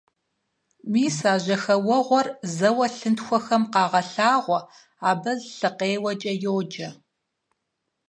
Мис а жьэхэуэгъуэр зэуэ лъынтхуэхэм къагъэлъагъуэ, абы лъыкъеуэкӀэ йоджэ.